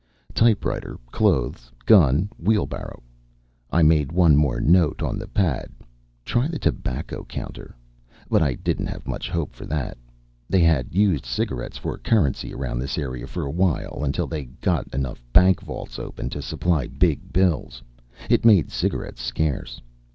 Typewriter, clothes, gun, wheelbarrow. I made one more note on the pad try the tobacco counter, but I didn't have much hope for that. They had used cigarettes for currency around this area for a while, until they got enough bank vaults open to supply big bills. It made cigarettes scarce.